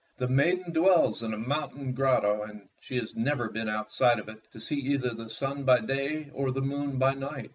"The maiden dwells in a mountain grotto, and she has never been outside of it to see either the sun by day or the moon by night."